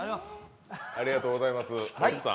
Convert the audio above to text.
ありがとうございます。